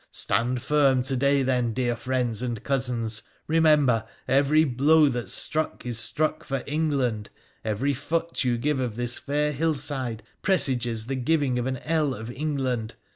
Stand firm to day, then, dear friends and cousins ! Remember, every blow that's struck is struck for England, every foot you give of this fair hillside presages the giving of an ell of England.